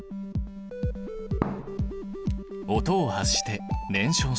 音を発して燃焼した。